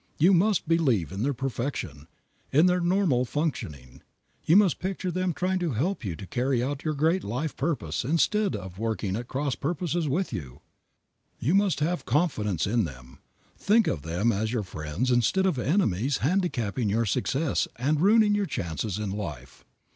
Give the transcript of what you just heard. You must believe in their perfection, in their normal functioning. You must picture them trying to help you to carry out your great life purpose instead of working at cross purposes with you. You must have confidence in them, think of them as your friends instead of enemies handicapping your success and ruining your chances in life.